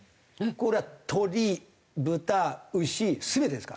これは鶏豚牛全てですからね。